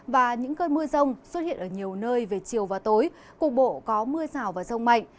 và những cơn mưa rông xuất hiện ở nhiều nơi về chiều và tối cục bộ có mưa rào và rông mạnh